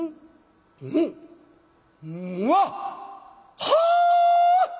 わっ！はあ！